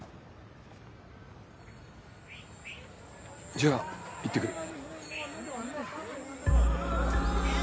じゃあ行って来る